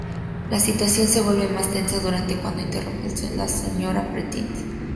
La situación se vuelve más tensa durante cuando irrumpe la señora Prentice.